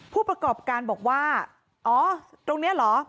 ผู้ประกอบการบอกว่าอ๋อตรงนี้เหรอ